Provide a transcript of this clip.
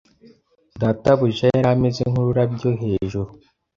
"Databuja yari ameze nkururabyo hejuru